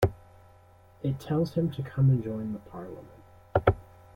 It tells him to come and join the parliament.